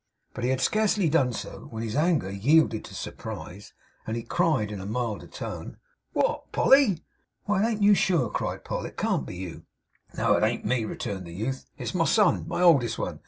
But he had scarcely done so, when his anger yielded to surprise, and he cried, in a milder tone: 'What! Polly!' 'Why, it an't you, sure!' cried Poll. 'It can't be you!' 'No. It an't me,' returned the youth. 'It's my son, my oldest one.